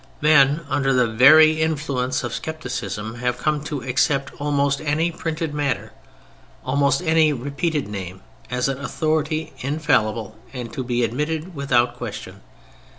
Men—under the very influence of skepticism—have come to accept almost any printed matter, almost any repeated name, as an authority infallible and to be admitted without question.